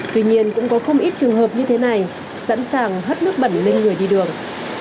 tuy nhiên cũng có không ít trường hợp như thế này sẵn sàng hất nước bẩn lên người đi đường